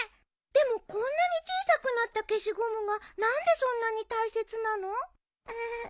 でもこんなに小さくなった消しゴムが何でそんなに大切なの？